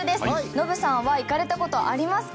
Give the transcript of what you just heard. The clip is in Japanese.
ノブさんは行かれた事ありますか？